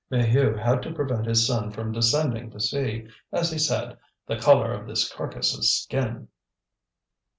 Maheu had to prevent his son from descending to see, as he said, the colour of this carcass's skin.